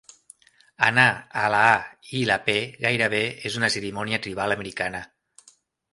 "Anar a la A i la P" gairebé és una cerimònia tribal americana.